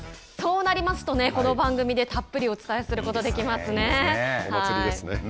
そうなりますとこの番組でたっぷりお伝えすることができますね。